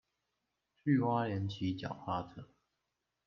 去花蓮騎腳踏車